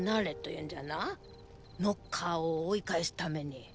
ノッカーを追い返すために。